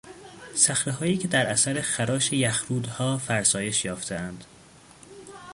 صخرههایی که در اثر خراش یخرودها فرسایش یافتهاند